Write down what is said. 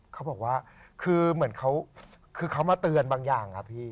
เขาบอกว่าคือเหมือนเขาคือเขามาเตือนบางอย่างครับพี่